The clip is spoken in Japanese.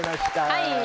はい。